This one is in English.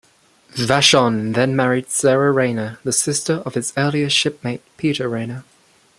Vashon then married Sarah Rainier, the sister of his earlier shipmate Peter Rainier.